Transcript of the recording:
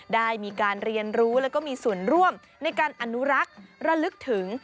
ได้มีการเรียนรู้แล้วก็มีส่วนร่วมในการอนุรักษ์ระลึกถึง